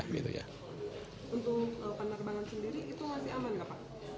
untuk penerbangan sendiri itu masih aman nggak pak